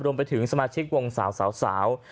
รวมไปถึงสมาชิกวงสาวสาว